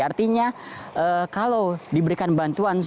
artinya kalau diberikan bantuan